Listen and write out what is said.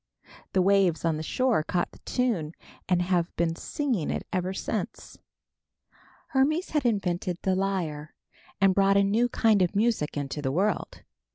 The waves on the shore caught the tune and have been singing it ever since. Hermes had invented the lyre and brought a new kind of music into the world.